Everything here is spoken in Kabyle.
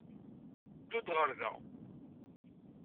Ddu-d ɣer da!